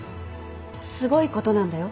すごいことなんだよ。